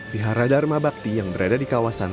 wihara dharma bakti yang berada di kawasan